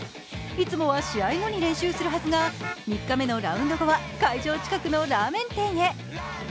いつもは試合後に練習するはずが３日目のラウンド後は会場近くのラーメン店へ。